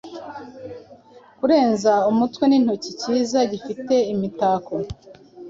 Kurenza umutwe nigitoki cyiza gifite imitako